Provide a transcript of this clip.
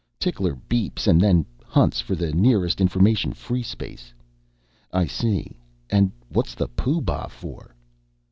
"Tickler beeps and then hunts for the nearest information free space." "I see. And what's the Pooh Bah for?"